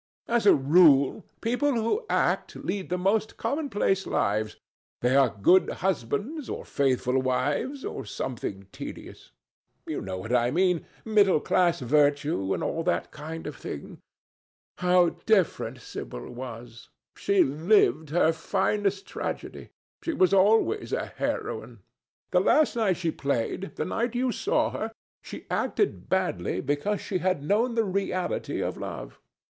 As a rule, people who act lead the most commonplace lives. They are good husbands, or faithful wives, or something tedious. You know what I mean—middle class virtue and all that kind of thing. How different Sibyl was! She lived her finest tragedy. She was always a heroine. The last night she played—the night you saw her—she acted badly because she had known the reality of love.